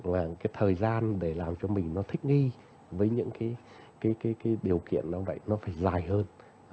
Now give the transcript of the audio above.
và cái thời gian để làm cho mình nó thích nghi với những cái điều kiện nó vậy nó phải dài hơn